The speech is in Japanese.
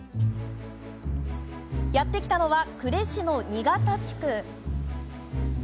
やって来たのは呉市の仁方地区。